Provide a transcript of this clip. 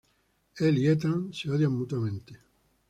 Él y Ethan se odian mutuamente.